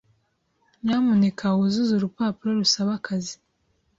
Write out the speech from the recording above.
Nyamuneka wuzuze urupapuro rusaba akazi.